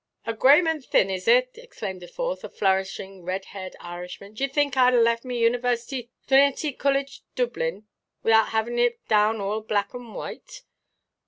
"Agrayment, thin, is it?" exclaimed the fourth, a flourishing, red–haired Irishman; "do you think Iʼd a left me Oonivarsity, Thrinity College, Dooblin, wiʼout having it down all black and white?